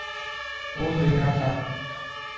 U dunyo ham —